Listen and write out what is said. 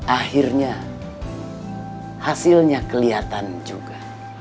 akhirnya hasilnya kelihatan juga